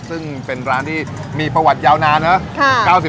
ซึ่งเป็นร้านที่มีประวัติยาวนานนะ